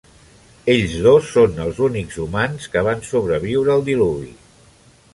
Ells dos són els únics humans que van sobreviure al diluvi.